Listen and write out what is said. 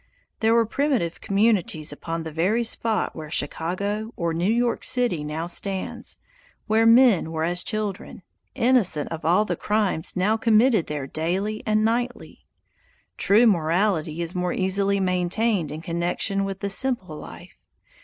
There were primitive communities upon the very spot where Chicago or New York City now stands, where men were as children, innocent of all the crimes now committed there daily and nightly. True morality is more easily maintained in connection with the simple life.